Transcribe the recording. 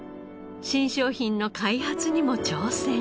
新商品の開発にも挑戦。